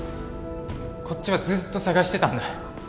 こっちはずっと捜してたんだ。